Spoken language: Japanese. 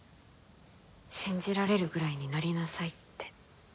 信じられるぐらいになりなさいって。